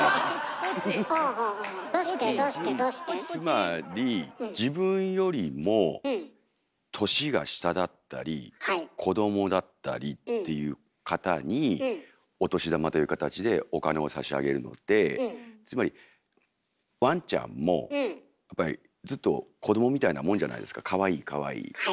つまり自分よりも年が下だったり子どもだったりっていう方にお年玉という形でお金を差し上げるのでつまりワンちゃんもやっぱりずっと子どもみたいなもんじゃないですかかわいいかわいい。